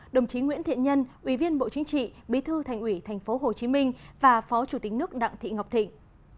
đồng chí nguyễn thiện nhân ủy viên bộ chính trị bí thư thành ủy tp hcm và phó chủ tịch nước đặng thị ngọc thịnh